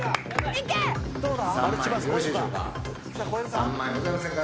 ３万円ございませんか？